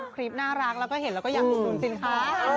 คลิปน่ารักแล้วไปเห็นแล้วก็อยากรู้จริงค่ะ